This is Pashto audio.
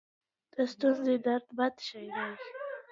د ستوني درد بد شی دی.